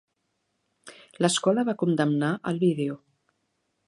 L'escola va condemnar el vídeo.